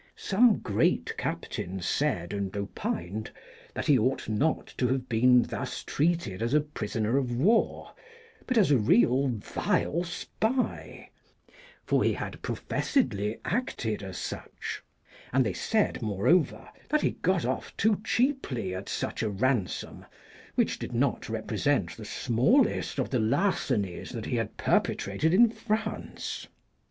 Some great cap tains said and opined that he ought not to have been thus treated as a prisoner of war but as a real vile spy, for he had professedly acted as such ; and they said, moreover, that he got off too cheaply at such a ransom, which did not represent the smallest of the larcenies that he had perpetrated in France."